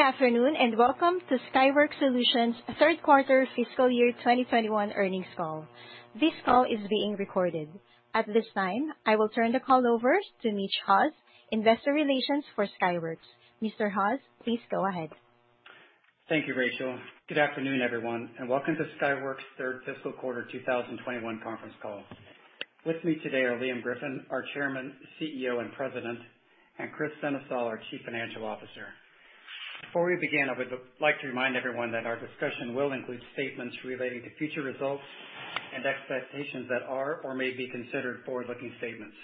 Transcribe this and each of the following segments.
Good afternoon, and welcome to Skyworks Solutions' Third Quarter Fiscal Year 2021 Earnings Call. This call is being recorded. At this time, I will turn the call over to Mitch Haws, investor relations for Skyworks. Mr. Haws, please go ahead. Thank you, Rachel. Good afternoon, everyone, and welcome to Skyworks' third fiscal quarter 2021 conference call. With me today are Liam Griffin, our chairman, CEO, and president, and Kris Sennesael, our chief financial officer. Before we begin, I would like to remind everyone that our discussion will include statements relating to future results and expectations that are or may be considered forward-looking statements.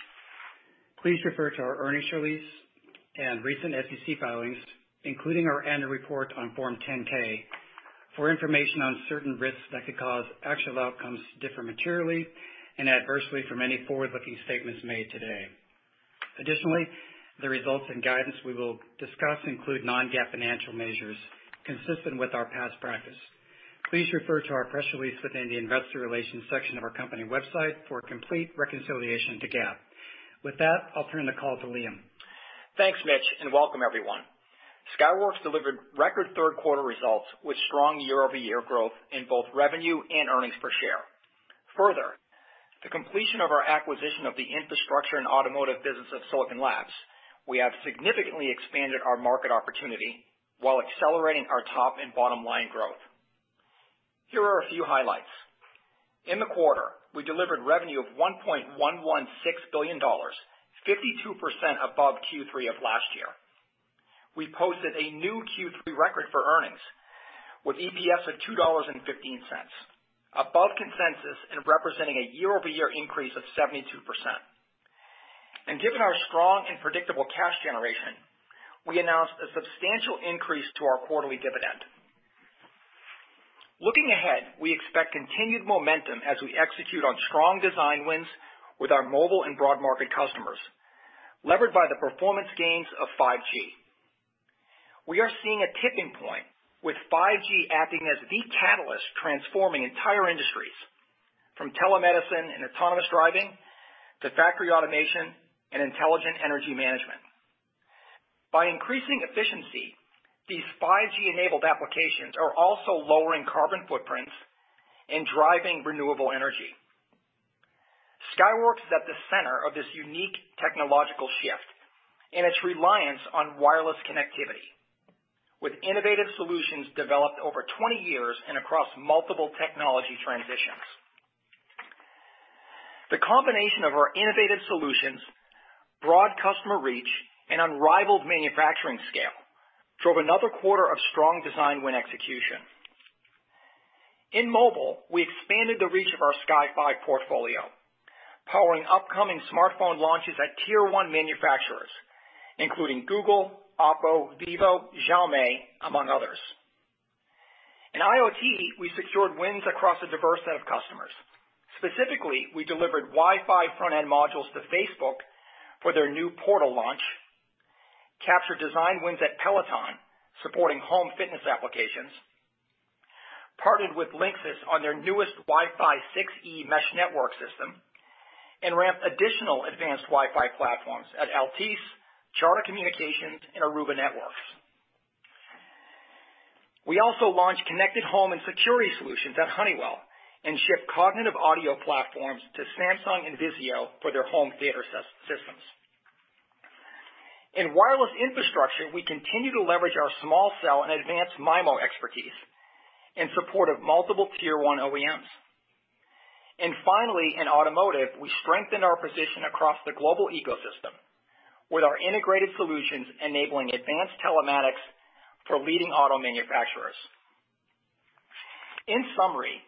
Please refer to our earnings release and recent SEC filings, including our annual report on Form 10-K, for information on certain risks that could cause actual outcomes to differ materially and adversely from any forward-looking statements made today. Additionally, the results and guidance we will discuss include non-GAAP financial measures consistent with our past practice. Please refer to our press release within the investor relations section of our company website for a complete reconciliation to GAAP. With that, I'll turn the call to Liam. Thanks, Mitch, and welcome everyone. Skyworks delivered record third quarter results with strong year-over-year growth in both revenue and earnings per share. The completion of our acquisition of the Infrastructure & Automotive business of Silicon Labs, we have significantly expanded our market opportunity while accelerating our top- and bottom-line growth. Here are a few highlights. In the quarter, we delivered revenue of $1.116 billion, 52% above Q3 of last year. We posted a new Q3 record for earnings with EPS of $2.15, above consensus and representing a year-over-year increase of 72%. Given our strong and predictable cash generation, we announced a substantial increase to our quarterly dividend. Looking ahead, we expect continued momentum as we execute on strong design wins with our mobile and broad market customers, levered by the performance gains of 5G. We are seeing a tipping point with 5G acting as the catalyst transforming entire industries, from telemedicine and autonomous driving to factory automation and intelligent energy management. By increasing efficiency, these 5G-enabled applications are also lowering carbon footprints and driving renewable energy. Skyworks is at the center of this unique technological shift and its reliance on wireless connectivity, with innovative solutions developed over 20 years and across multiple technology transitions. The combination of our innovative solutions, broad customer reach, and unrivaled manufacturing scale drove another quarter of strong design win execution. In mobile, we expanded the reach of our Sky5 portfolio, powering upcoming smartphone launches at tier 1 manufacturers, including Google, OPPO, Vivo, and Xiaomi, among others. In IoT, we secured wins across a diverse set of customers. Specifically, we delivered Wi-Fi front-end modules to Facebook for their new Portal launch, captured design wins at Peloton, supporting home fitness applications, partnered with Linksys on their newest Wi-Fi 6E mesh network system, and ramped additional advanced Wi-Fi platforms at Altice, Charter Communications, and Aruba Networks. We also launched connected home and security solutions at Honeywell and shipped cognitive audio platforms to Samsung and Vizio for their home theater systems. In wireless infrastructure, we continue to leverage our small cell and advanced MIMO expertise in support of multiple tier 1 OEMs. Finally, in automotive, we strengthened our position across the global ecosystem with our integrated solutions enabling advanced telematics for leading auto manufacturers. In summary,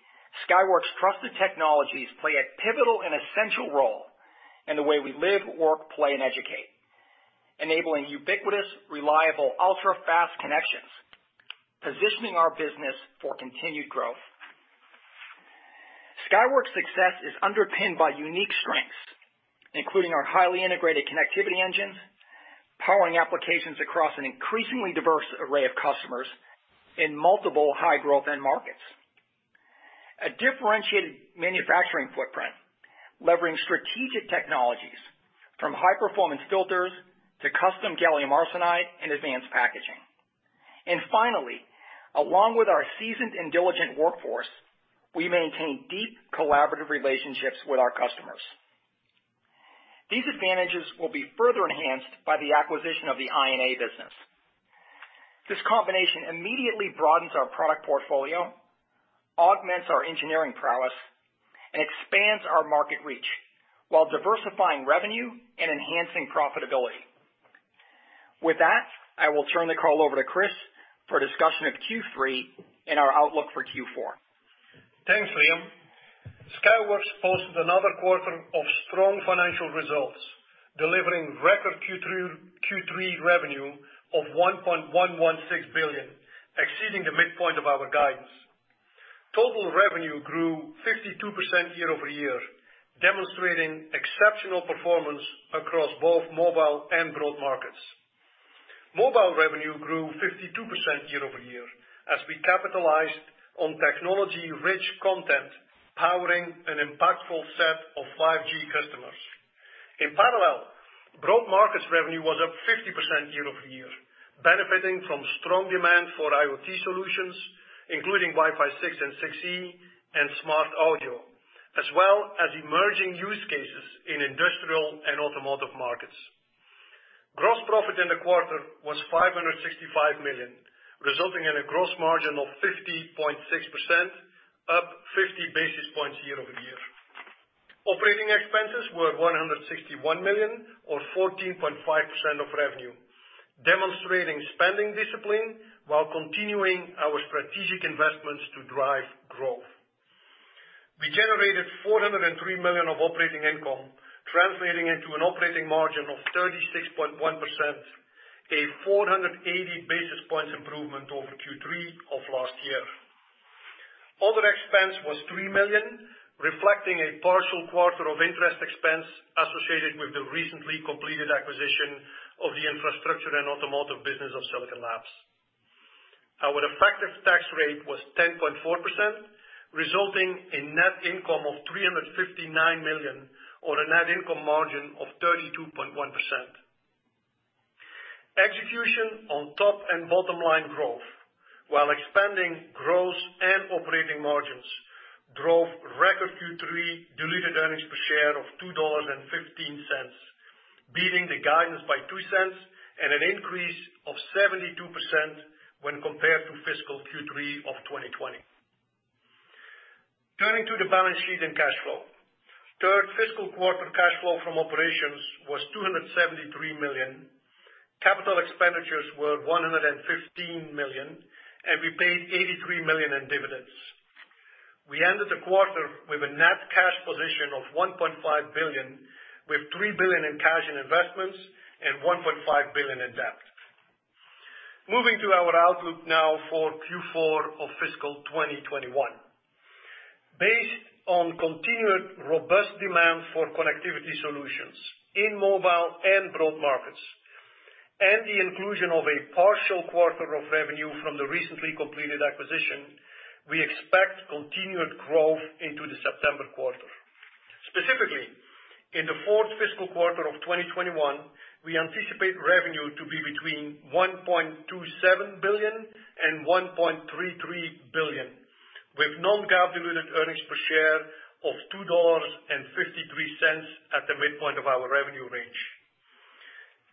Skyworks' trusted technologies play a pivotal and essential role in the way we live, work, play, and educate, enabling ubiquitous, reliable, ultra-fast connections, positioning our business for continued growth. Skyworks' success is underpinned by unique strengths, including our highly integrated connectivity engines, powering applications across an increasingly diverse array of customers in multiple high-growth end markets. A differentiated manufacturing footprint, leveraging strategic technologies from high-performance filters to custom gallium arsenide and advanced packaging. Finally, along with our seasoned and diligent workforce, we maintain deep collaborative relationships with our customers. These advantages will be further enhanced by the acquisition of the I&A business. This combination immediately broadens our product portfolio, augments our engineering prowess, and expands our market reach while diversifying revenue and enhancing profitability. With that, I will turn the call over to Kris for a discussion of Q3 and our outlook for Q4. Thanks, Liam. Skyworks posted another quarter of strong financial results, delivering record Q3 revenue of $1.116 billion, exceeding the midpoint of our guidance. Total revenue grew 52% year-over-year, demonstrating exceptional performance across both mobile and broad markets. Mobile revenue grew 52% year-over-year as we capitalized on technology-rich content, powering an impactful set of 5G customers. Broad markets revenue was up 50% year-over-year, benefiting from strong demand for IoT solutions, including Wi-Fi 6 and 6E and smart audio, as well as emerging use cases in industrial and automotive markets. Gross profit in the quarter was $565 million, resulting in a gross margin of 50.6%, up 50 basis points year-over-year. Operating expenses were $161 million or 14.5% of revenue, demonstrating spending discipline while continuing our strategic investments to drive growth. We generated $403 million of operating income, translating into an operating margin of 36.1%, a 480 basis points improvement over Q3 of last year. Other expense was $3 million, reflecting a partial quarter of interest expense associated with the recently completed acquisition of the Infrastructure & Automotive business of Silicon Labs. Our effective tax rate was 10.4%, resulting in net income of $359 million or a net income margin of 32.1%. Execution on top and bottom line growth while expanding gross and operating margins drove record Q3 diluted earnings per share of $2.15, beating the guidance by $0.02 and an increase of 72% when compared to fiscal Q3 of 2020. Turning to the balance sheet and cash flow. Third fiscal quarter cash flow from operations was $273 million. Capital expenditures were $115 million, and we paid $83 million in dividends. We ended the quarter with a net cash position of $1.5 billion, with $3 billion in cash and investments and $1.5 billion in debt. Moving to our outlook now for Q4 of fiscal 2021. Based on continued robust demand for connectivity solutions in mobile and broad markets and the inclusion of a partial quarter of revenue from the recently completed acquisition, we expect continued growth into the September quarter. Specifically, in the fourth fiscal quarter of 2021, we anticipate revenue to be between $1.27 billion and $1.33 billion, with non-GAAP diluted earnings per share of $2.53 at the midpoint of our revenue range.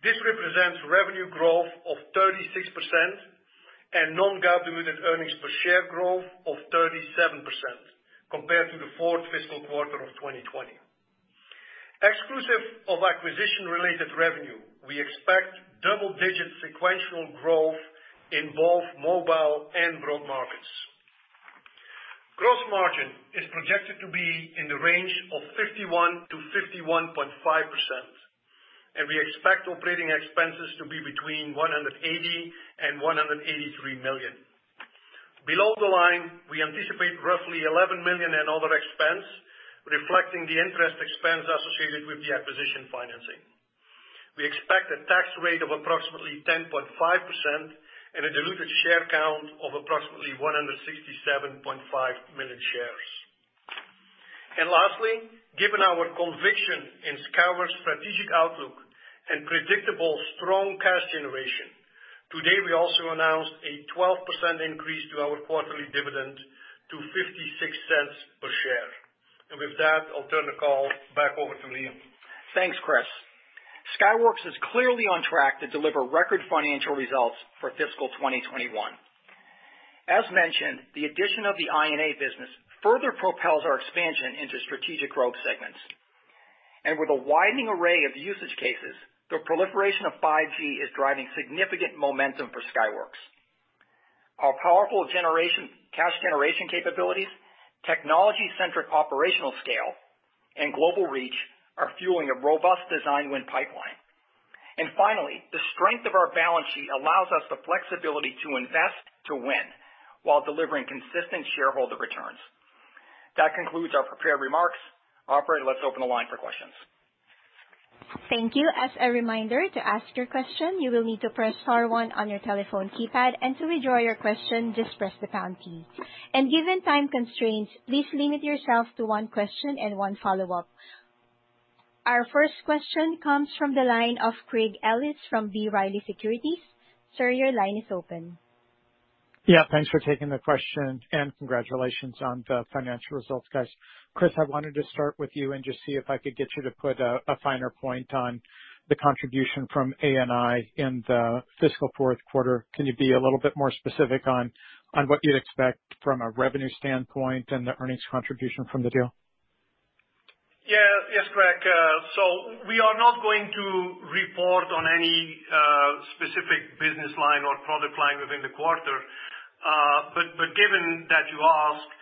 This represents revenue growth of 36% and non-GAAP diluted earnings per share growth of 37% compared to the fourth fiscal quarter of 2020. Exclusive of acquisition-related revenue, we expect double-digit sequential growth in both mobile and broad markets. Gross margin is projected to be in the range of 51%-51.5%, and we expect operating expenses to be between $180 million and $183 million. Below the line, we anticipate roughly $11 million in other expense, reflecting the interest expense associated with the acquisition financing. We expect a tax rate of approximately 10.5% and a diluted share count of approximately 167.5 million shares. Lastly, given our conviction in Skyworks' strategic outlook and predictable strong cash generation, today we also announced a 12% increase to our quarterly dividend to $0.56 per share. With that, I'll turn the call back over to Liam. Thanks, Kris. Skyworks is clearly on track to deliver record financial results for fiscal 2021. As mentioned, the addition of the I&A business further propels our expansion into strategic growth segments. With a widening array of usage cases, the proliferation of 5G is driving significant momentum for Skyworks. Our powerful cash generation capabilities, technology-centric operational scale, and global reach are fueling a robust design win pipeline. Finally, the strength of our balance sheet allows us the flexibility to invest to win while delivering consistent shareholder returns. That concludes our prepared remarks. Operator, let's open the line for questions. Thank you. As a reminder, to ask your question, you will need to press star one on your telephone keypad, and to withdraw your question, just press the pound key. Given time constraints, please limit yourself to one question and one follow-up. Our first question comes from the line of Craig Ellis from B. Riley Securities. Sir, your line is open. Yeah, thanks for taking the question and congratulations on the financial results, guys. Kris, I wanted to start with you and just see if I could get you to put a finer point on the contribution from I&A in the fiscal fourth quarter. Can you be a little bit more specific on what you'd expect from a revenue standpoint and the earnings contribution from the deal? Yes, Craig. We are not going to report on any specific business line or product line within the quarter. Given that you asked,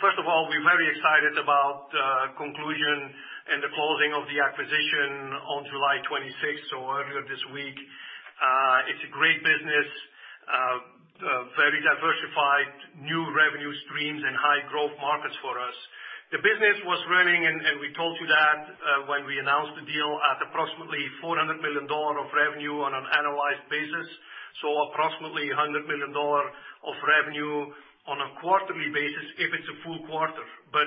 first of all, we're very excited about the conclusion and the closing of the acquisition on July 26th, earlier this week. It's a great business, very diversified, with new revenue streams and high-growth markets for us. The business was running, and we told you that when we announced a deal of approximately $400 million of revenue on an annualized basis. Approximately $100 million of revenue on a quarterly basis if it's a full quarter.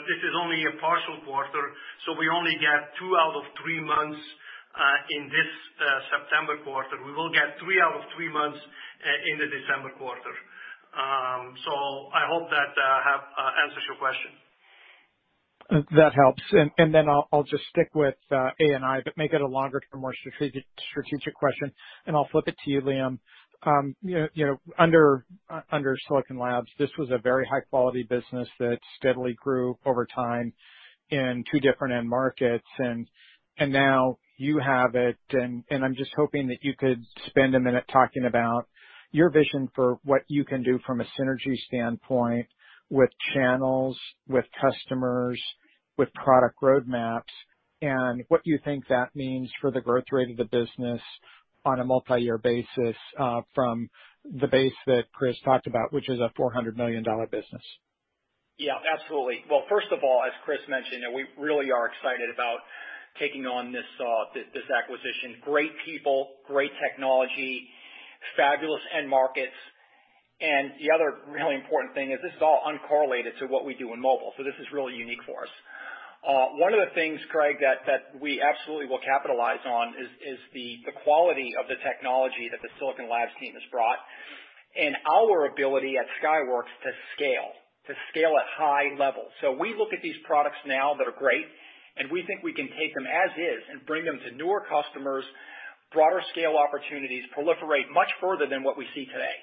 This is only a partial quarter, so we only get two out of three months in this September quarter. We will get three out of three months in the December quarter. I hope that answers your question. That helps. Then I'll just stick with I&A, but make it a longer-term, more strategic question, and I'll flip it to you, Liam. Under Silicon Labs, this was a very high-quality business that steadily grew over time in two different end markets, and now you have it. I'm just hoping that you could spend a minute talking about your vision for what you can do from a synergy standpoint with channels, with customers, and with product roadmaps and what you think that means for the growth rate of the business on a multi-year basis, from the base that Kris talked about, which is a $400 million business. Yeah, absolutely. Well, first of all, as Kris mentioned, we really are excited about taking on this acquisition. Great people, great technology, fabulous end markets. The other really important thing is this is all uncorrelated to what we do in mobile, so this is really unique for us. One of the things, Craig, that we absolutely will capitalize on is the quality of the technology that the Silicon Labs team has brought and our ability at Skyworks to scale at high levels. We look at these products now that are great, and we think we can take them as is and bring them to newer customers and broader-scale opportunities, proliferating much further than what we see today.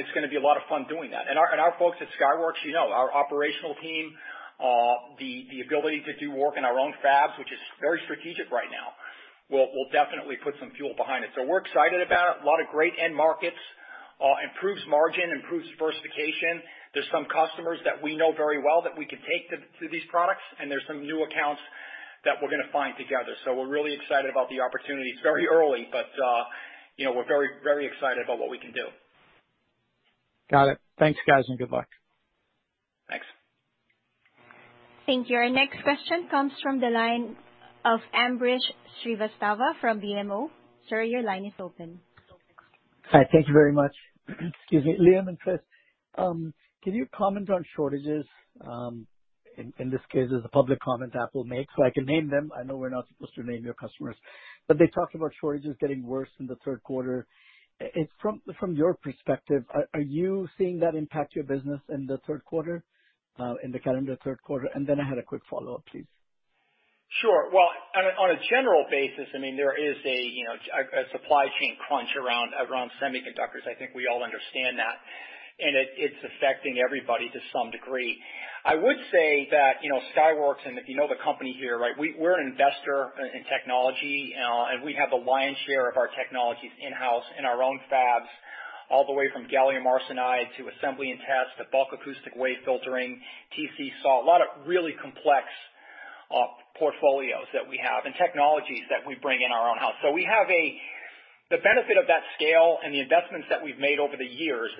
It's going to be a lot of fun doing that. Our folks at Skyworks, our operational team, have the ability to do work in our own fabs, which is very strategic right now. We'll definitely put some fuel behind it. We're excited about it. A lot of great end markets. Improves margin, improves diversification. There are some customers that we know very well that we can introduce to these products, and there are some new accounts that we're going to find together. We're really excited about the opportunities. It's very early, but we're very excited about what we can do. Got it. Thanks, guys, and good luck. Thanks. Thank you. Our next question comes from the line of Ambrish Srivastava from BMO. Sir, your line is open. Hi. Thank you very much. Excuse me. Liam and Kris, can you comment on shortages? In this case, there's a public comment Apple made, so I can name them. I know we're not supposed to name your customers. They talked about shortages getting worse in the third quarter. From your perspective, are you seeing that impact your business in the third quarter, in the calendar third quarter? I had a quick follow-up, please. Sure. Well, on a general basis, there is a supply chain crunch around semiconductors. I think we all understand that. It's affecting everybody to some degree. I would say that Skyworks, and if you know the company here, we're an investor in technology, and we have the lion's share of our technologies in-house in our own fabs, all the way from gallium arsenide to assembly and test to bulk acoustic wave filtering, TC-SAW, and a lot of really complex portfolios that we have and technologies that we bring in our own house. We have the benefit of that scale, and the investments that we've made over the years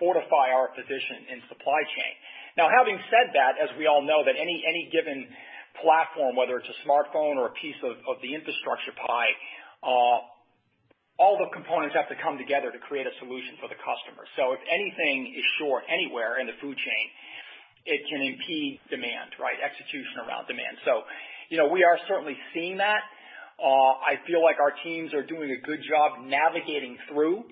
fortify our position in the supply chain. Now, having said that, as we all know that any given platform, whether it's a smartphone or a piece of the infrastructure pie, all the components have to come together to create a solution for the customer. If anything is short anywhere in the food chain, it can impede demand, execution around demand. We are certainly seeing that. I feel like our teams are doing a good job navigating through,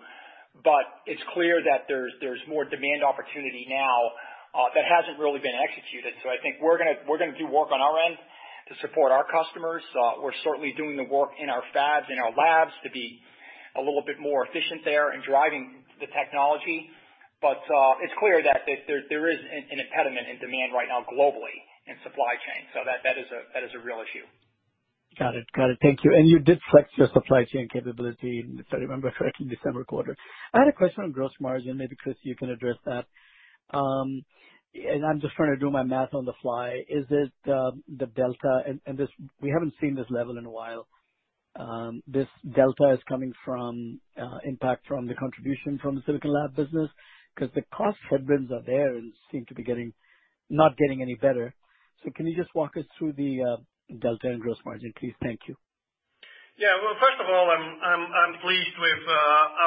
but it's clear that there's more demand opportunity now that hasn't really been executed. I think we're going to do work on our end to support our customers. We're certainly doing the work in our fabs, in our labs, to be a little bit more efficient there in driving the technology. It's clear that there is an impediment in demand right now globally in supply chain. That is a real issue. Got it. Thank you. You did flex your supply chain capability, if I remember correctly, in the December quarter. I had a question on gross margin. Maybe, Kris, you can address that. I'm just trying to do my math on the fly. Is it the delta, and we haven't seen this level in a while? This delta is coming from the impact from the contribution from the Silicon Labs business? The cost headwinds are there and seem to be not getting any better. Can you just walk us through the delta in gross margin, please? Thank you. First of all, I'm pleased with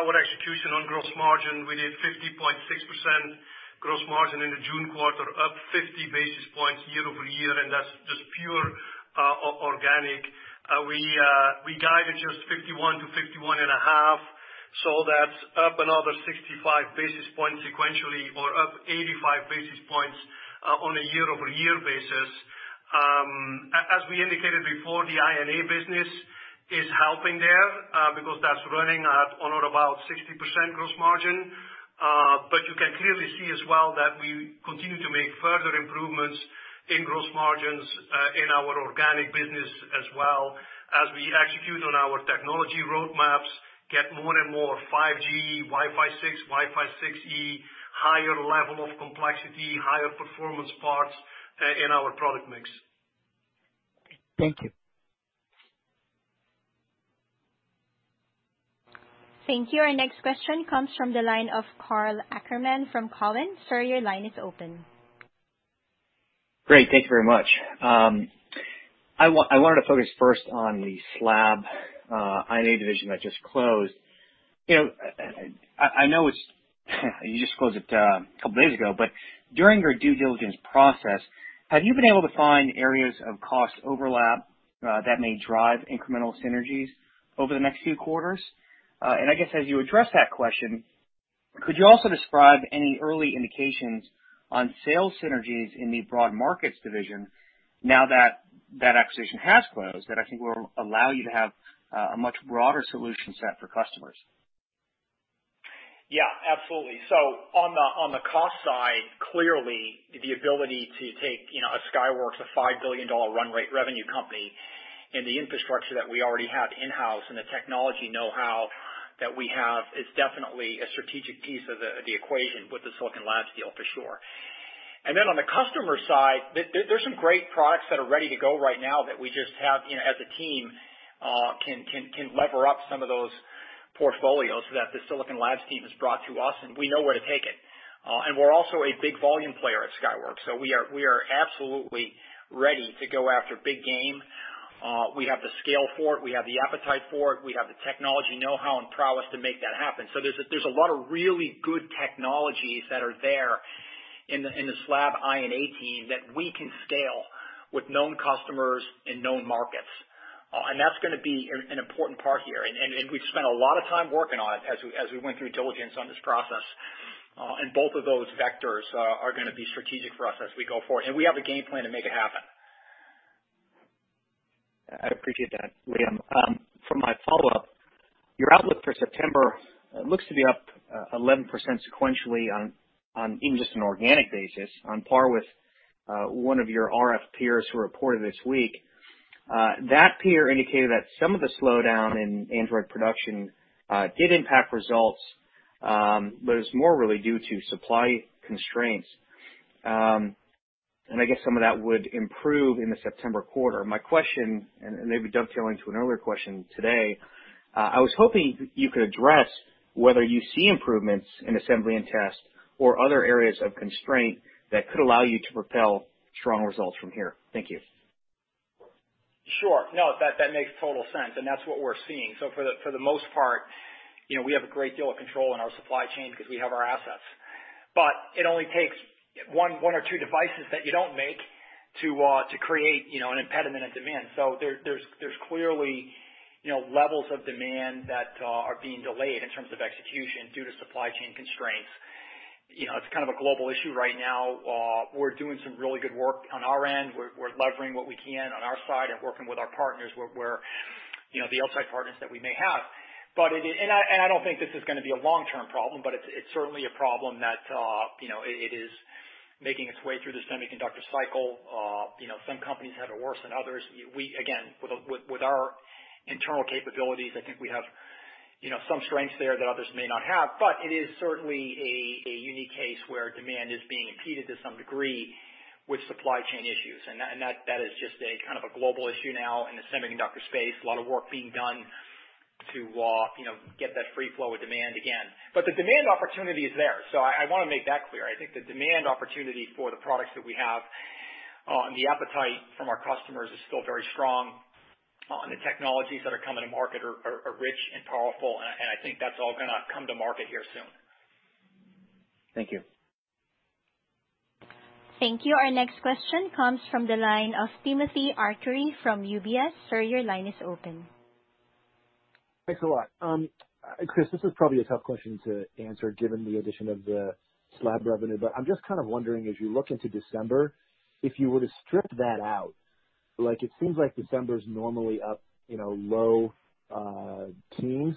our execution on gross margin. We did 50.6% gross margin in the June quarter, up 50 basis points year-over-year, and that's just pure organic growth. We gained just 51%-51.5%. That's up another 65 basis points sequentially or up 85 basis points on a year-over-year basis. As we indicated before, the I&A business is helping there because that's running at or about 60% gross margin. You can clearly see as well that we continue to make further improvements in gross margins in our organic business as well as execute on our technology roadmaps, getting more and more 5G, Wi-Fi 6, Wi-Fi 6E, higher levels of complexity, and higher performance parts in our product mix. Thank you. Thank you. Our next question comes from the line of Karl Ackerman from Cowen. Sir, your line is open. Great. Thank you very much. I wanted to focus first on the SLAB I&A division that just closed. I know you just closed it two days ago, but during your due diligence process, have you been able to find areas of cost overlap that may drive incremental synergies over the next few quarters? I guess as you address that question, could you also describe any early indications of sales synergies in the broad markets division now that that acquisition has closed that I think will allow you to have a much broader solution set for customers? Yeah, absolutely. On the cost side, clearly the ability to take a Skyworks, a $5 billion run rate revenue company, and the infrastructure that we already have in-house and the technology know-how that we have is definitely a strategic piece of the equation with the Silicon Labs deal for sure. On the customer side, there are some great products that are ready to go right now that we just have, as a team, we can leverage some of those portfolios that the Silicon Labs team has brought to us, and we know where to take it. We're also a big volume player at Skyworks, so we are absolutely ready to go after big game. We have the scale for it. We have the appetite for it. We have the technology, know-how, and prowess to make that happen. There are a lot of really good technologies that are there in the SLAB I&A team that we can scale with known customers and known markets. That's going to be an important part here. We've spent a lot of time working on it as we went through diligence on this process. Both of those vectors are going to be strategic for us as we go forward. We have a game plan to make it happen. I appreciate that, Liam. For my follow-up, your outlook for September looks to be up 11% sequentially, even just on an organic basis, on par with one of your RF peers who reported this week. That peer indicated that some of the slowdown in Android production did impact results, it's more really due to supply constraints. I guess some of that would improve in the September quarter. My question, maybe dovetailing to an earlier question today, is I was hoping you could address whether you see improvements in assembly and test or other areas of constraint that could allow you to propel strong results from here. Thank you. Sure. No, that makes total sense. That's what we're seeing. For the most part, we have a great deal of control in our supply chain because we have our assets. It only takes one or two devices that you don't make to create an impediment to demand. There are clearly levels of demand that are being delayed in terms of execution due to supply chain constraints. It's kind of a global issue right now. We're doing some really good work on our end. We're leveraging what we can on our side and working with our partners, the outside partners that we may have. I don't think this is going to be a long-term problem, but it's certainly a problem that is making its way through the semiconductor cycle. Some companies have it worse than others. With our internal capabilities, I think we have some strengths there that others may not have. It is certainly a unique case where demand is being impeded to some degree by supply chain issues, and that is just a kind of a global issue now in the semiconductor space. A lot of work being done to get that free flow of demand again. The demand opportunity is there, so I want to make that clear. I think the demand opportunity for the products that we have and the appetite from our customers are still very strong, and the technologies that are coming to market are rich and powerful, and I think that's all going to come to market here soon. Thank you. Thank you. Our next question comes from the line of Timothy Arcuri from UBS. Sir, your line is open. Thanks a lot. Kris, this is probably a tough question to answer given the addition of the SLAB revenue. I'm just kind of wondering, as you look into December, if you were to strip that out, it seems like December is normally in the low teens.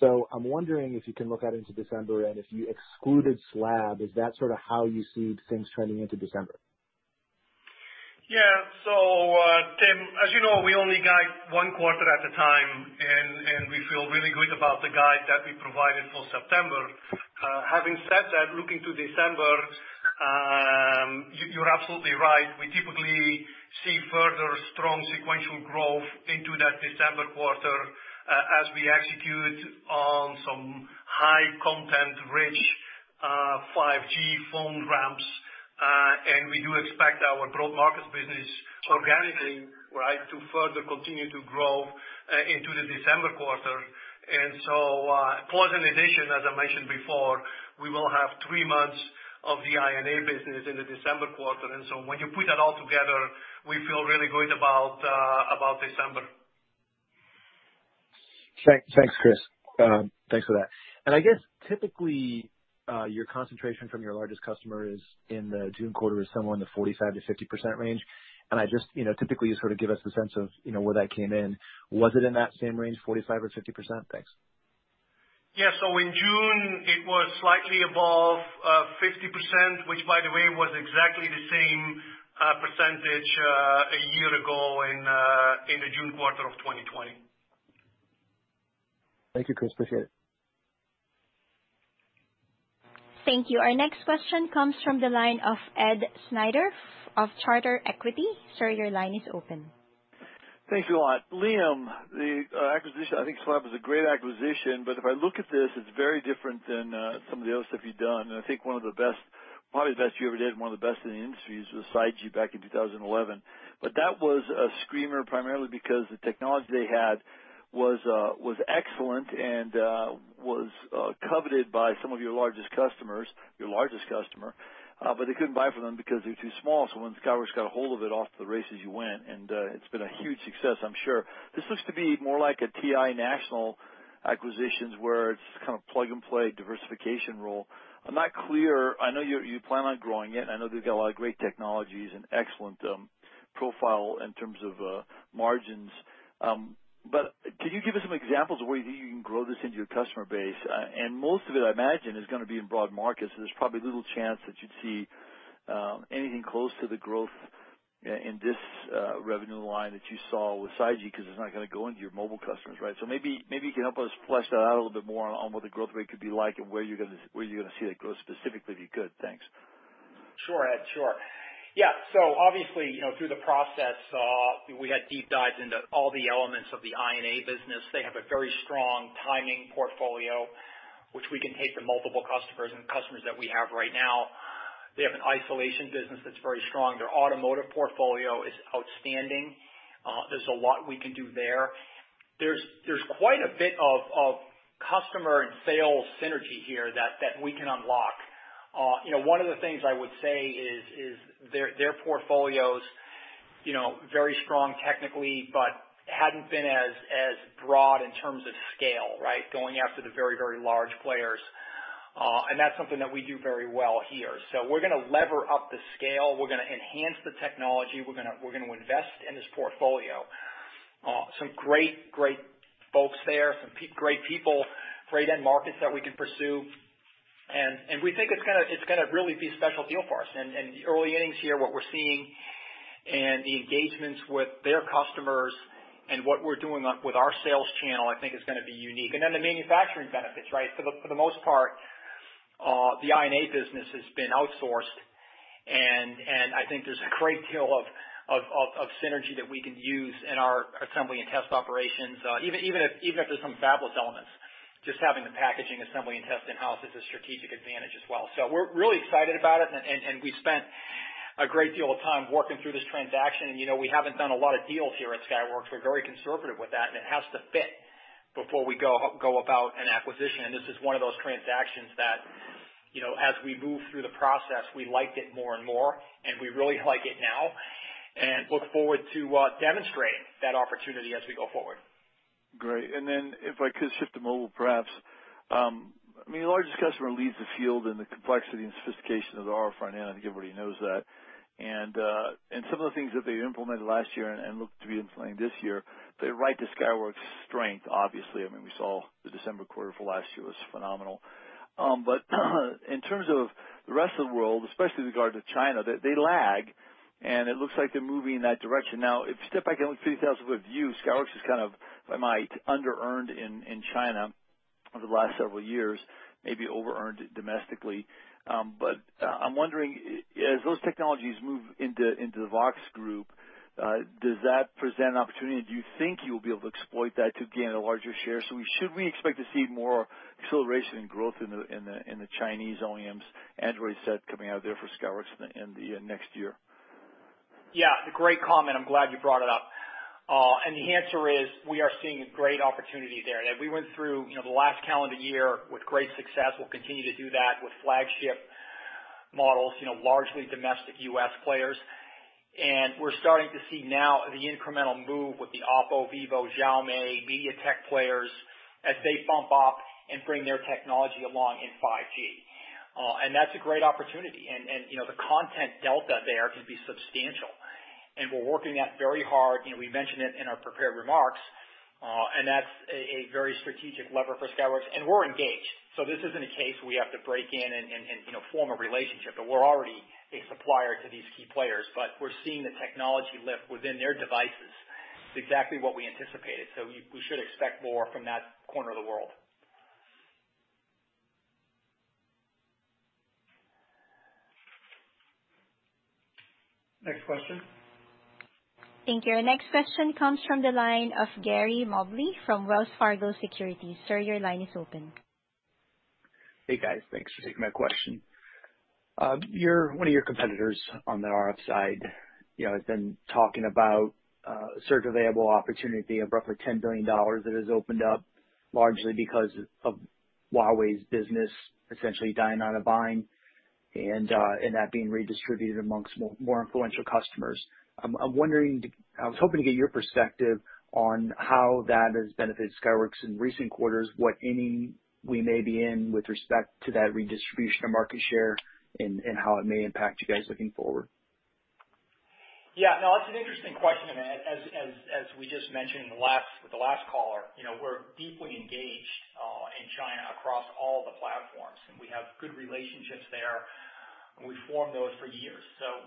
I'm wondering if you can look out into December, and if you excluded SLAB, is that sort of how you see things trending into December? Yeah. Tim, as you know, we only guide one quarter at a time, and we feel really good about the guide that we provided for September. Having said that, looking to December, you're absolutely right. We typically see further strong sequential growth into that December quarter as we execute on some high-content-rich 5G phone ramps. We do expect our broad markets business organically, right, to further continue to grow into the December quarter. Plus, in addition, as I mentioned before, we will have three months of the I&A business in the December quarter. When you put that all together, we feel really good about December. Thanks, Kris. Thanks for that. I guess typically, your concentration from your largest customer is in the June quarter somewhere in the 45%-50% range. Just typically sort of give us a sense of where that came in. Was it in that same range, 45% or 50%? Thanks. Yeah. In June it was slightly above 50%, which, by the way, was exactly the same percentage a year ago in the June quarter of 2020. Thank you, Kris. Appreciate it. Thank you. Our next question comes from the line of Ed Snyder of Charter Equity. Sir, your line is open. Thanks a lot. Liam, the acquisition—I think SLAB was a great acquisition. If I look at this, it's very different than some of the other stuff you've done. I think one of the best, probably the best you ever did, and one of the best in the industry was the SiGe back in 2011. That was a screamer, primarily because the technology they had was excellent and was coveted by some of your largest customers, your largest customer. They couldn't buy from them because they were too small. When Skyworks got a hold of it, off to the races you went. It's been a huge success, I'm sure. This looks to be more like a TI National acquisition, where it's kind of a plug-and-play diversification role. I'm not clear. I know you plan on growing it. I know they've got a lot of great technologies and an excellent profile in terms of margins. Could you give us some examples of where you think you can grow this into your customer base? Most of it, I imagine, is going to be in broad markets. There's probably little chance that you'd see anything close to the growth in this revenue line that you saw with SiGe, because it's not going to go into your mobile customers, right? Maybe you can help us flesh that out a little bit more on what the growth rate could be like and where you're going to see that growth specifically, if you could. Thanks. Sure, Ed. Sure. Yeah. Obviously, through the process, we had deep dives into all the elements of the I&A business. They have a very strong timing portfolio, which we can take to multiple customers and customers that we have right now. They have an isolation business that's very strong. Their automotive portfolio is outstanding. There's a lot we can do there. There's quite a bit of customer and sales synergy here that we can unlock. One of the things I would say is their portfolio's very strong technically but hasn't been as broad in terms of scale, right? Going after the very large players. That's something that we do very well here. We're going to lever up the scale. We're going to enhance the technology. We're going to invest in this portfolio. Some great folks there, some great people, great end markets that we can pursue. We think it's going to really be a special deal for us. The early innings here, what we're seeing and the engagements with their customers and what we're doing with our sales channel, I think is going to be unique. The manufacturing benefits, right? For the most part, the I&A business has been outsourced, and I think there's a great deal of synergy that we can use in our assembly and test operations. Even if there's some fabless elements, just having the packaging, assembly, and test in-house is a strategic advantage as well. We're really excited about it, and we spent a great deal of time working through this transaction, and we haven't done a lot of deals here at Skyworks. We're very conservative with that, and it has to fit before we go about an acquisition. This is one of those transactions that, as we move through the process, we liked it more and more, and we really like it now, and look forward to demonstrating that opportunity as we go forward. Great. If I could shift to mobile, perhaps. Your largest customer leads the field in the complexity and sophistication of the RF front end. I think everybody knows that. Some of the things that they implemented last year and look to be implementing this year, they write to Skyworks' strength, obviously. We saw the December quarter for last year was phenomenal. In terms of the rest of the world, especially with regard to China, they lag, and it looks like they're moving in that direction now. If you step back and look 30,000-foot view, Skyworks is kind of, if I might, underearned in China over the last several years, maybe overearned domestically. I'm wondering, as those technologies move into the Vox group, does that present an opportunity? Do you think you'll be able to exploit that to gain a larger share? Should we expect to see more acceleration and growth in the Chinese OEMs, Android set coming out of there for Skyworks in the next year? Yeah, it's a great comment. I'm glad you brought it up. The answer is, we are seeing a great opportunity there. As we went through the last calendar year with great success, we'll continue to do that with flagship models, largely domestic U.S. players. We're starting to see now the incremental move with the Oppo, Vivo, Xiaomi, and MediaTek players as they bump up and bring their technology along in 5G. That's a great opportunity, and the content delta there can be substantial, and we're working that very hard. We mentioned it in our prepared remarks, and that's a very strategic lever for Skyworks, and we're engaged. This isn't a case where we have to break in and form a relationship, but we're already a supplier to these key players, and we're seeing the technology lift within their devices. It's exactly what we anticipated, so we should expect more from that corner of the world. Next question. Thank you. Our next question comes from the line of Gary Mobley from Wells Fargo Securities. Sir, your line is open. Hey, guys. Thanks for taking my question. One of your competitors on the RF side has been talking about a certain available opportunity of roughly $10 billion that has opened up largely because of Huawei's business essentially dying on the vine and that being redistributed amongst more influential customers. I was hoping to get your perspective on how that has benefited Skyworks in recent quarters, what inning we may be in with respect to that redistribution of market share, and how it may impact you guys looking forward. Yeah, no, it's an interesting question. As we just mentioned with the last caller, we're deeply engaged in China across all the platforms, and we have good relationships there. We formed those for years.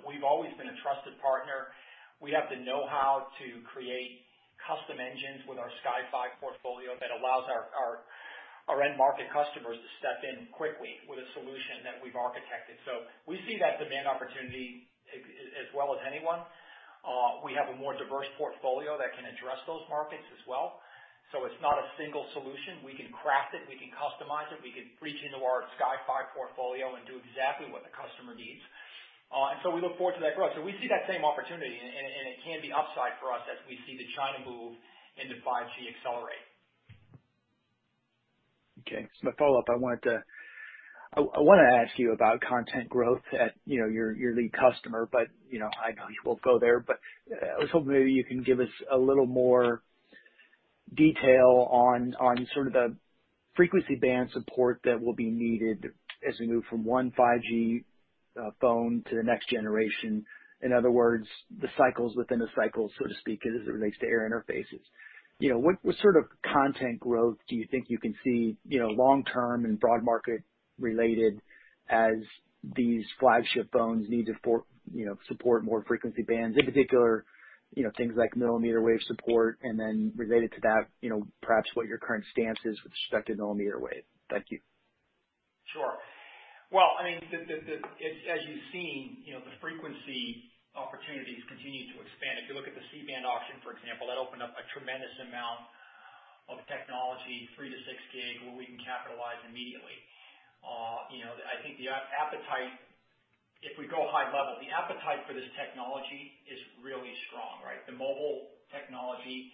We've always been a trusted partner. We have the know-how to create custom engines with our Sky5 portfolio that allow our end-market customers to step in quickly with a solution that we've architected. We see that demand opportunity as well as anyone. We have a more diverse portfolio that can address those markets as well. It's not a single solution. We can craft it, we can customize it, we can reach into our Sky5 portfolio and do exactly what the customer needs. We look forward to that growth. We see that same opportunity, and it can be an upside for us as we see China move into 5G accelerate. Okay, as my follow-up, I want to ask you about content growth at your lead customer, but I know you won't go there, but I was hoping maybe you could give us a little more detail on sort of the frequency band support that will be needed as we move from one 5G phone to the next generation. In other words, the cycles within a cycle, so to speak, as it relates to air interfaces. What sort of content growth do you think you can see long-term and broad-market-related as these flagship phones need to support more frequency bands? In particular, things like millimeter wave support and then, related to that, perhaps what your current stance is with respect to millimeter wave. Thank you. Sure. Well, as you've seen, the frequency opportunities continue to expand. If you look at the C-band auction, for example, that opened up a tremendous amount of technology, 3GHz-6GHz, where we can capitalize immediately. I think the appetite, if we go high-level, for this technology is really strong, right? The mobile technology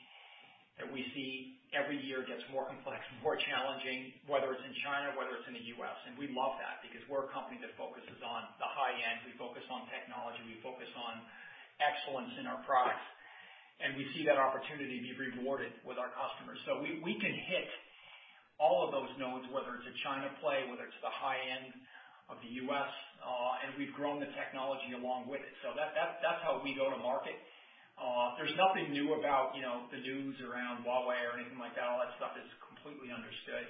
that we see every year gets more complex and more challenging, whether it's in China or whether it's in the U.S., and we love that because we're a company that focuses on the high end. We focus on technology. We focus on excellence in our products, and we see that opportunity to be rewarded with our customers. We can hit all of those nodes, whether it's a China play or whether it's the high end of the U.S., and we've grown the technology along with it. That's how we go to market. There's nothing new about the news around Huawei or anything like that. All that stuff is completely understood.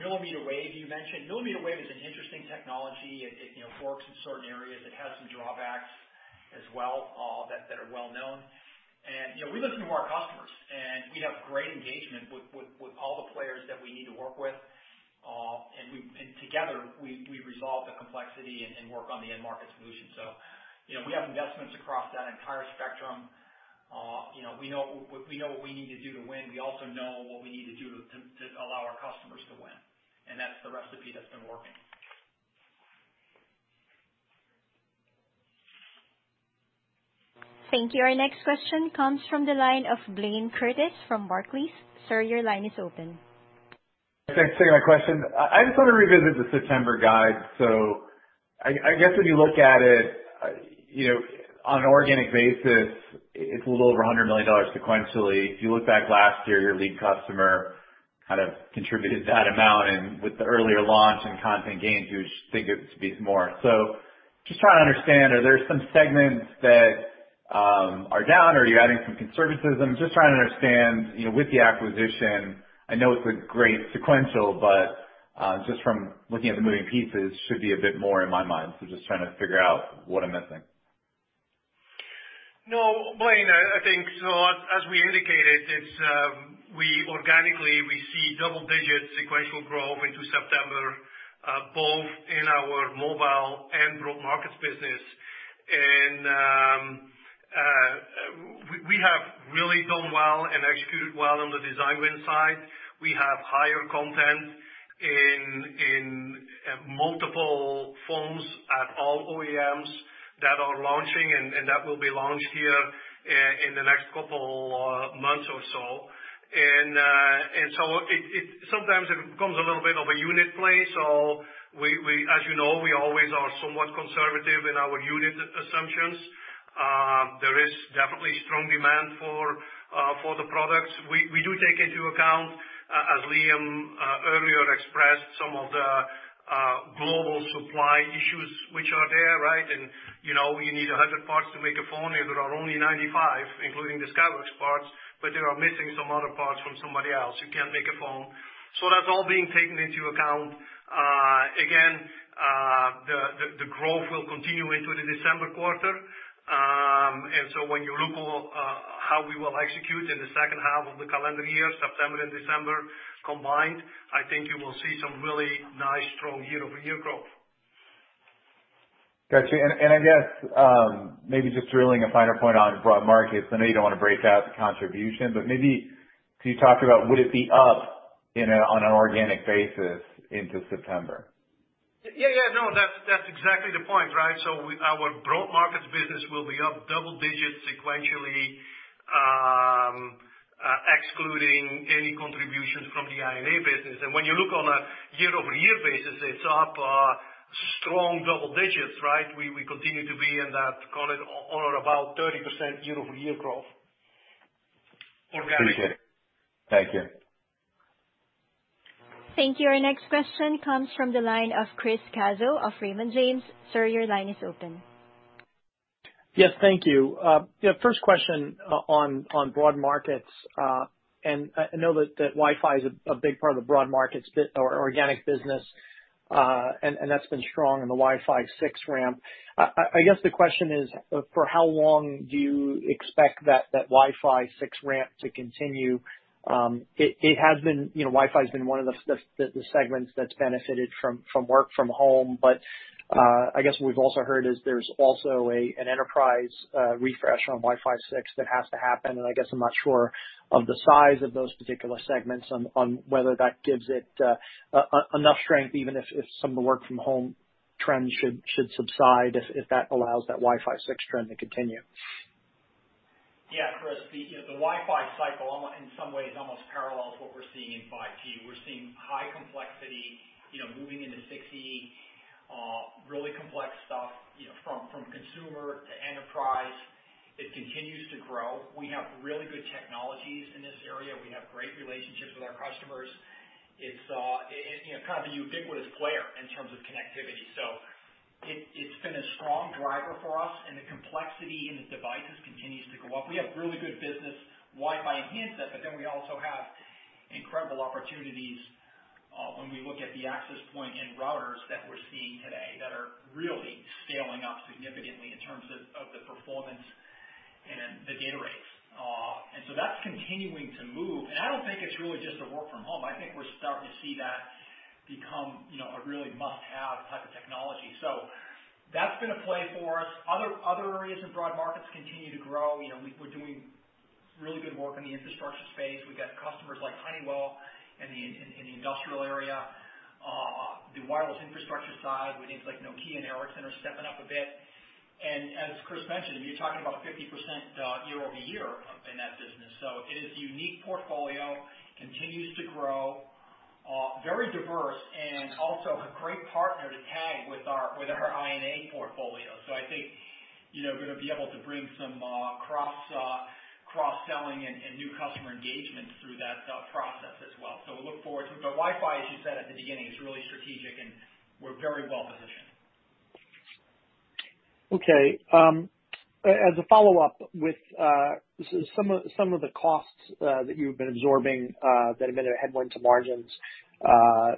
Millimeter wave, you mentioned. Millimeter wave is an interesting technology. It works in certain areas. It has some drawbacks as well that are well known. We listen to our customers, and we have great engagement with all the players that we need to work with. Together, we resolve the complexity and work on the end market solution. We have investments across that entire spectrum. We know what we need to do to win. We also know what we need to do to allow our customers to win, and that's the recipe that's been working. Thank you. Our next question comes from the line of Blayne Curtis from Barclays. Sir, your line is open. Thanks for taking my question. I just want to revisit the September guide. I guess if you look at it on an organic basis, it's a little over $100 million sequentially. If you look back last year, your lead customer kind of contributed that amount, and with the earlier launch and content gains, you would think it to be more. Just trying to understand, are there some segments that are down? Are you adding some conservatism? Just trying to understand with the acquisition, I know it's a great sequence, but just from looking at the moving pieces, it should be a bit more in my mind. Just trying to figure out what I'm missing. No, Blayne, I think as we indicated, organically, we see double-digits sequential growth into September, both in our mobile and broad markets business. We have really done well and executed well on the design win side. We have higher content in multiple phones at all OEMs that are launching and that will be launched here in the next couple months or so. Sometimes it becomes a little bit of a unit play. As you know, we always are somewhat conservative in our unit assumptions. There is definitely strong demand for the products. We do take into account, as Liam earlier expressed, some of the global supply issues that are there, right? You need 100 parts to make a phone, and there are only 95, including the Skyworks parts, but they are missing some other parts from somebody else. You can't make a phone. That's all being taken into account. Again, the growth will continue into the December quarter. When you look how we will execute in the second half of the calendar year, September and December combined, I think you will see some really nice strong year-over-year growth. Got you. I guess, maybe just drilling a finer point on broad markets. I know you don't want to break out the contribution, but maybe could you talk about would it be up on an organic basis into September? Yeah. No, that's exactly the point, right? Our broad markets business will be up double-digits sequentially, excluding any contributions from the I&A business. When you look on a year-over-year basis, it's up strong double digits, right? We continue to be in that, call it, on or about 30% year-over-year growth organic. Appreciate it. Thank you. Thank you. Our next question comes from the line of Chris Caso of Raymond James. Sir, your line is open. Yes. Thank you. First question on broad markets. I know that Wi-Fi is a big part of the broad market's organic business, and that's been strong in the Wi-Fi 6 ramp. I guess the question is, for how long do you expect that Wi-Fi 6 ramp to continue? Wi-Fi's been one of the segments that's benefited from work from home. I guess what we've also heard is there's also an enterprise refresh on Wi-Fi 6 that has to happen, and I guess I'm not sure of the size of those particular segments on whether that gives it enough strength, even if some of the work from home trends should subside, if that allows that Wi-Fi 6 trend to continue. Yeah, Chris, the Wi-Fi cycle, in some ways, almost parallels what we're seeing in 5G. We're seeing high complexity moving into 6E, really complex stuff from consumer to enterprise. It continues to grow. We have really good technologies in this area. We have great relationships with our customers. It's kind of the ubiquitous player in terms of connectivity. It's been a strong driver for us, and the complexity in the devices continues to go up. We have a really good business Wi-Fi handset, but then we also have incredible opportunities when we look at the access points and routers that we're seeing today that are really scaling up significantly in terms of the performance and the data rates. That's continuing to move. I don't think it's really just a work from home. I think we're starting to see that become a really must-have type of technology. That's been a play for us. Other areas of broad markets continue to grow. We're doing really good work in the infrastructure space. We got customers like Honeywell in the industrial area. The wireless infrastructure side, with names like Nokia and Ericsson, is stepping up a bit. As Kris mentioned, you're talking about 50% year-over-year in that business. It is a unique portfolio, continues to grow, is very diverse, and is also a great partner to tag with our I&A portfolio. I think we're going to be able to bring some cross-selling and new customer engagements through that process as well. We look forward to it. Wi-Fi, as you said at the beginning, is really strategic, and we're very well positioned. Okay. As a follow-up with some of the costs that you've been absorbing that have been a headwind to margins,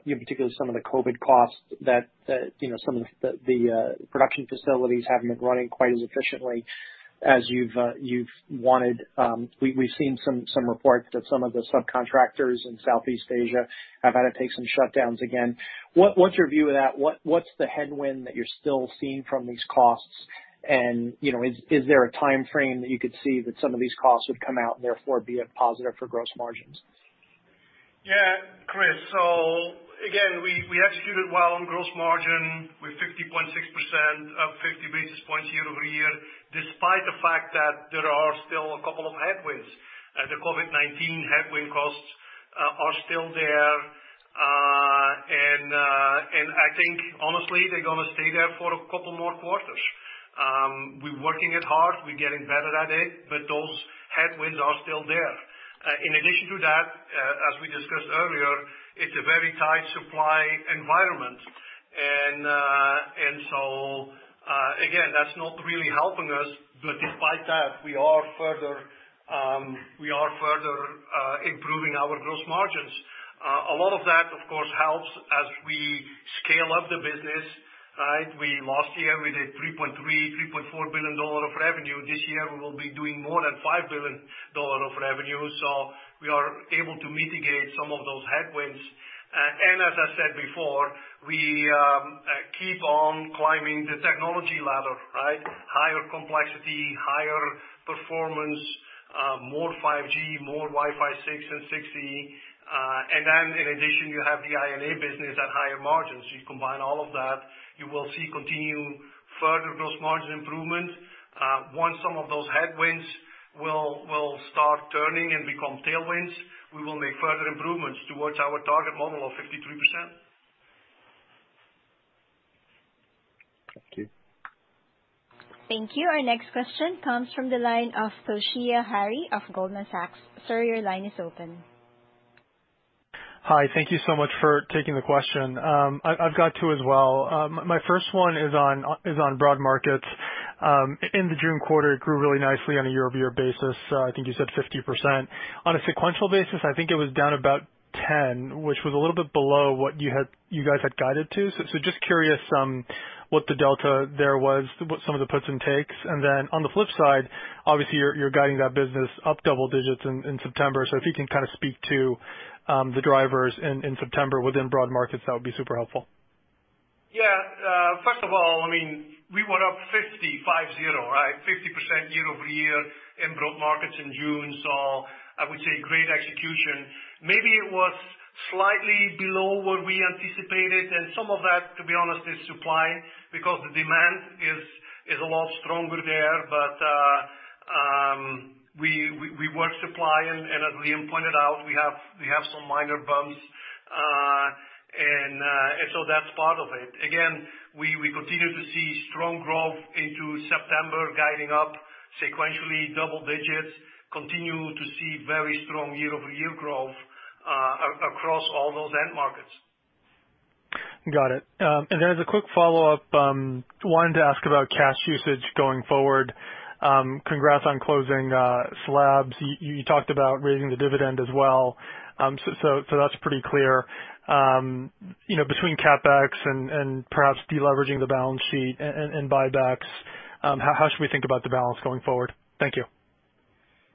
in particular, some of the COVID costs and some of the production facilities haven't been running quite as efficiently as you've wanted. We've seen some reports that some of the subcontractors in Southeast Asia have had to take some shutdowns again. What's your view of that? What's the headwind that you're still seeing from these costs? Is there a time frame that you could see that some of these costs would come out and therefore be a positive for gross margins? Chris. Again, we executed well on gross margin with 50.6%, up 50 basis points year-over-year, despite the fact that there are still a couple of headwinds. The COVID-19 headwind costs are still there. I think honestly, they're going to stay there for a couple more quarters. We're working it hard. We're getting better at it, those headwinds are still there. In addition to that, as we discussed earlier, it's a very tight supply environment. Again, that's not really helping us, despite that, we are further improving our gross margins. A lot of that, of course, helps as we scale up the business. Last year, we did $3.3 billion-$3.4 billion of revenue. This year, we will be doing more than $5 billion of revenue. We are able to mitigate some of those headwinds. As I said before, we keep on climbing the technology ladder. Higher complexity, higher performance, more 5G, and more Wi-Fi 6 and 6E. Then in addition, you have the I&A business at higher margins. You combine all of that, you will see continued further gross margin improvement. Once some of those headwinds start turning and become tailwinds, we will make further improvements towards our target model of 53%. Thank you. Thank you. Our next question comes from the line of Toshiya Hari of Goldman Sachs. Sir, your line is open. Hi. Thank you so much for taking the question. I've got two as well. My first one is on broad markets. In the June quarter, it grew really nicely on a year-over-year basis. I think you said 50%. On a sequential basis, I think it was down about 10%, which was a little bit below what you guys had guided to. Just curious what the delta there was, what some of the pros and cons? On the flip side, obviously, you're guiding that business up double digits in September. If you can speak to the drivers in September within broad markets, that would be super helpful. First of all, we were up 50, five zero. 50% year-over-year in broad markets in June. I would say great execution. Maybe it was slightly below what we anticipated. Some of that, to be honest, is supply because the demand is a lot stronger there. We work on supply, and as Liam pointed out, we have some minor bumps. That's part of it. Again, we continue to see strong growth into September, guiding up sequentially double-digits, and continue to see very strong year-over-year growth across all those end markets. Got it. As a quick follow-up, I wanted to ask about cash usage going forward. Congrats on closing SLAB. You talked about raising the dividend as well. That's pretty clear. Between CapEx and perhaps deleveraging the balance sheet and buybacks, how should we think about the balance going forward? Thank you.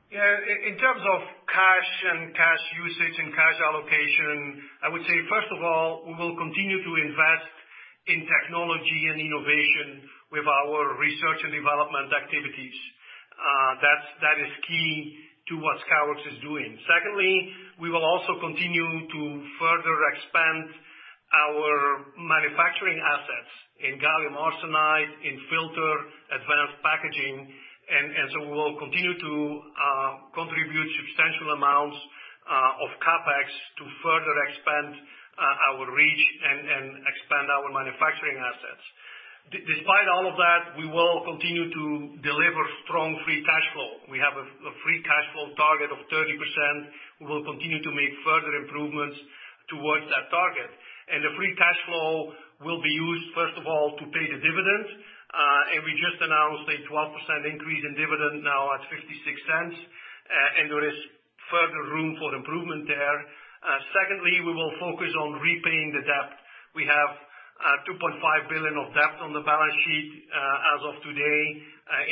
Yeah. In terms of cash and cash usage and cash allocation, I would say, first of all, we will continue to invest in technology and innovation with our research and development activities. That is key to what Skyworks is doing. Secondly, we will also continue to further expand our manufacturing assets in gallium arsenide, filters, and advanced packaging. We will continue to contribute substantial amounts of CapEx to further expand our reach and expand our manufacturing assets. Despite all of that, we will continue to deliver strong free cash flow. We have a free cash flow target of 30%. We will continue to make further improvements towards that target. The free cash flow will be used, first of all, to pay the dividends. We just announced a 12% increase in dividend now at $0.56, and there is further room for improvement there. We will focus on repaying the debt. We have $2.5 billion of debt on the balance sheet, as of today,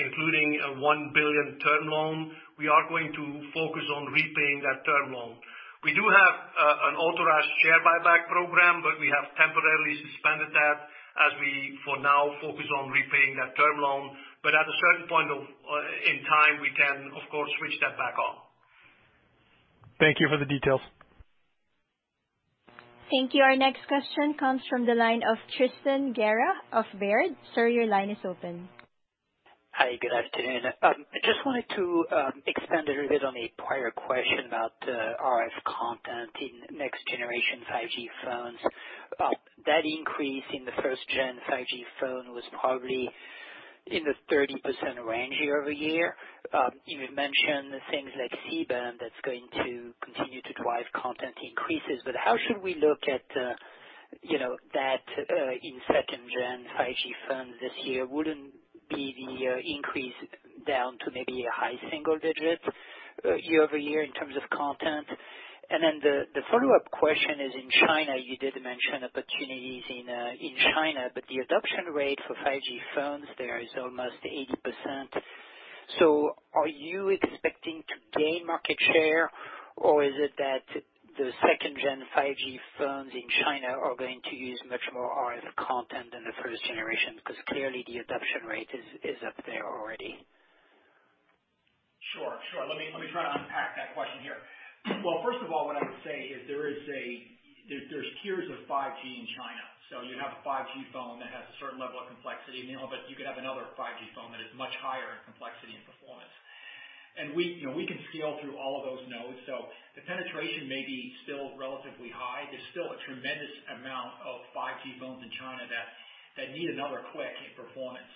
including a $1 billion term loan. We are going to focus on repaying that term loan. We do have an authorized share buyback program, but we have temporarily suspended that as we, for now, focus on repaying that term loan. At a certain point in time, we can, of course, switch that back on. Thank you for the details. Thank you. Our next question comes from the line of Tristan Gerra of Baird. Sir, your line is open. Hi, good afternoon. I just wanted to expand a little bit on a prior question about RF content in next-generation 5G phones. That increase in the first-gen 5G phone was probably in the 30% range year-over-year. You mentioned things like C-band that's going to continue to drive content increases, but how should we look at that in second-gen 5G phones this year? Wouldn't the increase be down to maybe a high single-digit year-over-year in terms of content? The follow-up question is in China. You did mention opportunities in China, but the adoption rate for 5G phones there is almost 80%. Are you expecting to gain market share, or is it that the second-gen 5G phones in China are going to use much more RF content than the first generation? Clearly the adoption rate is up there already. Sure. Let me try to unpack that question here. Well, first of all, what I would say is there are tiers of 5G in China. You have a 5G phone that has a certain level of complexity, but you could have another 5G phone that is much higher in complexity and performance. We can scale through all of those nodes. The penetration may still be relatively high. There's still a tremendous amount of 5G phones in China that need another click in performance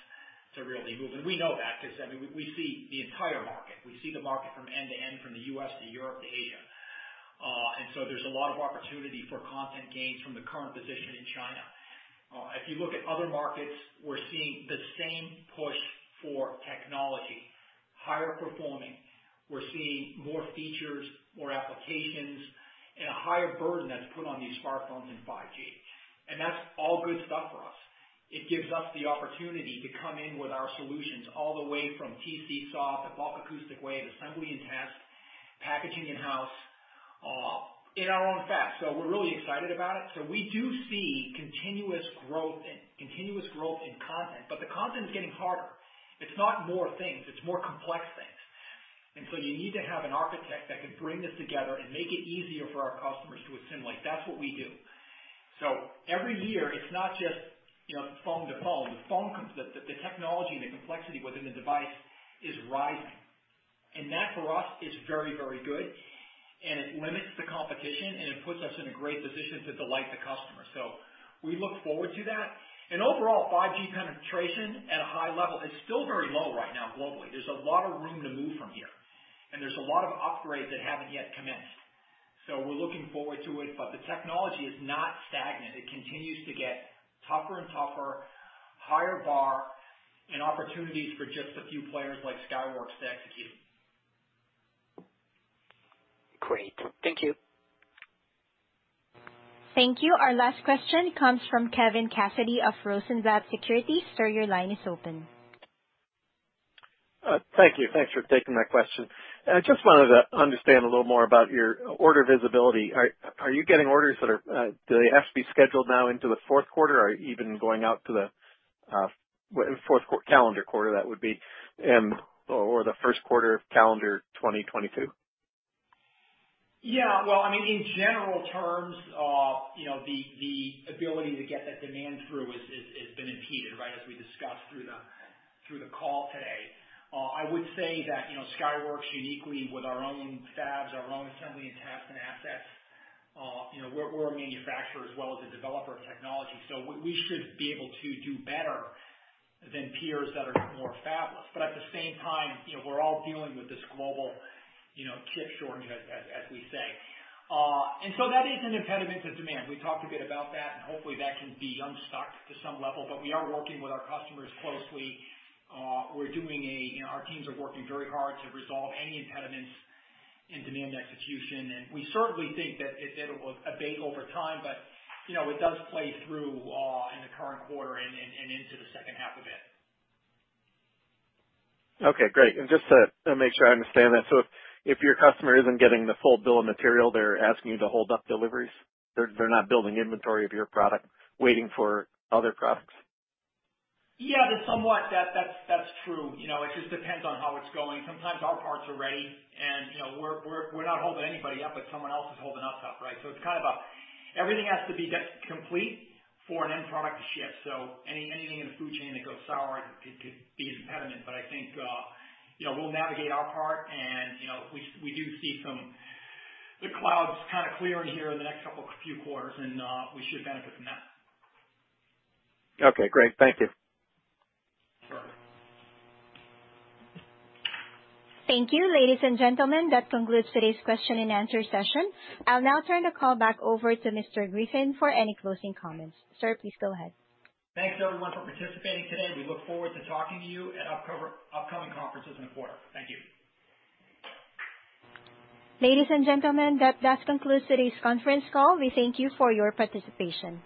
to really move. We know that because, I mean, we see the entire market. We see the market from end-to-end, from the U.S. to Europe to Asia. There's a lot of opportunity for content gains from the current position in China. If you look at other markets, we're seeing the same push for technology, higher performance. We're seeing more features, more applications, and a higher burden that's put on these smartphones in 5G. That's all good stuff for us. It gives us the opportunity to come in with our solutions all the way from TC-SAW to bulk acoustic wave, assembly, and test, packaging in-house, in our own fabs. We're really excited about it. We do see continuous growth in content, the content is getting harder. It's not more things, it's more complex things. You need to have an architect that can bring this together and make it easier for our customers to assimilate. That's what we do. Every year, it's not just phone to phone. The technology and the complexity within the device are rising. That for us is very good, it limits the competition, and it puts us in a great position to delight the customer. We look forward to that. Overall, 5G penetration at a high level is still very low right now globally. There's a lot of room to move from here, there are a lot of upgrades that haven't yet commenced. We're looking forward to it. The technology is not stagnant. It continues to get tougher and tougher, a higher bar, and opportunities for just a few players like Skyworks to execute. Great. Thank you. Thank you. Our last question comes from Kevin Cassidy of Rosenblatt Securities. Sir, your line is open. Thank you. Thanks for taking my question. I just wanted to understand a little more about your order visibility. Are you getting orders that have to be scheduled now into the fourth quarter, or even going out to the fourth calendar quarter, or the first quarter of the calendar year 2022? Yeah. Well, I mean, in general terms, the ability to get that demand through has been impeded, right, as we discussed through the call today. I would say that Skyworks, uniquely with our own fabs, our own assembly and test, and our assets, is a manufacturer as well as a developer of technology. We should be able to do better than peers that are more fabless. At the same time, we're all dealing with this global chip shortage, as we say. That is an impediment to demand. We talked a bit about that, and hopefully that can be unstuck to some level, but we are working with our customers closely. Our teams are working very hard to resolve any impediments in demand execution, we certainly think that it will abate over time, but it does play through in the current quarter and into the second half of it. Okay, great. Just to make sure I understand that. If your customer isn't getting the full bill of materials, are they're asking you to hold up deliveries? They're not building inventory of your product, waiting for other products? Yeah, somewhat. That's true. It just depends on how it's going. Sometimes our parts are ready, and we're not holding anybody up, but someone else is holding us up, right? It's kind of lik everything has to be complete for an end product to ship. Anything in the food chain that goes sour could be an impediment. I think we'll navigate our part, and we do see the clouds kind of clearing here in the next couple of quarters, and we should benefit from that. Okay, great. Thank you. Sure. Thank you, ladies and gentlemen. That concludes today's question-and-answer session. I will now turn the call back over to Mr. Griffin for any closing comments. Sir, please go ahead. Thanks everyone for participating today. We look forward to talking to you at upcoming conferences in the quarter. Thank you. Ladies and gentlemen, that concludes today's conference call. We thank you for your participation.